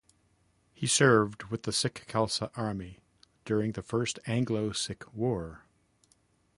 He served with the Sikh Khalsa Army, during the First Anglo-Sikh War.